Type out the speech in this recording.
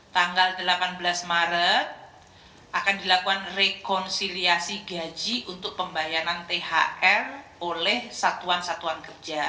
tanggal delapan belas maret akan dilakukan rekonsiliasi gaji untuk pembayaran thr oleh satuan satuan kerja